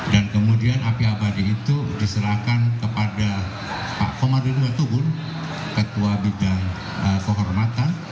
dan kemudian api abadi itu diserahkan kepada pak komarudin batubun ketua bidang kehormatan